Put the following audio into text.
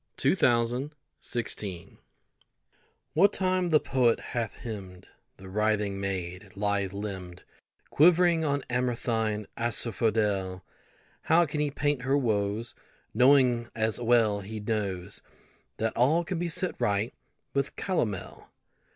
POETRY EVERYWHERE WHAT time the poet hath hymned The writhing maid, lithe limbed, Quivering on amaranthine asphodel, How can he paint her woes, Knowing, as well he knows, That all can be set right with calomel?